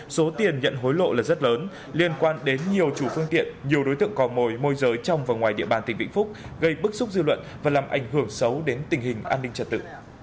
số tiền nhận hối lộ là rất lớn liên quan đến nhiều chủ phương tiện nhiều đối tượng cò mồi môi giới trong và ngoài địa bàn tỉnh vĩnh phúc gây bức xúc dư luận và làm ảnh hưởng xấu đến tình hình an ninh trật tự